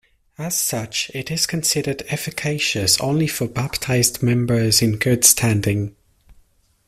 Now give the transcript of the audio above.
As such, it is considered efficacious only for baptized members in good standing.